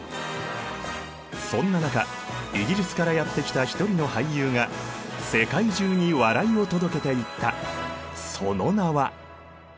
そんな中イギリスからやって来た一人の俳優が世界中に笑いを届けていった。